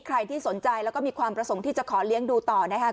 ใครที่สนใจแล้วก็มีความประสงค์ที่จะขอเลี้ยงดูต่อนะคะ